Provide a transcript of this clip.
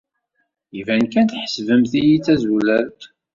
Iban kan tḥesbemt-iyi d tazulalt.